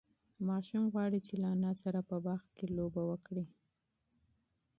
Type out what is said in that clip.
ماشوم غواړي چې له انا سره په باغ کې لوبه وکړي.